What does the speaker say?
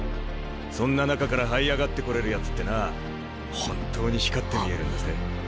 そんな中からはい上がってこれるやつってな本当に光って見えるんだぜ。